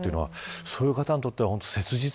そういう方にとっては切実。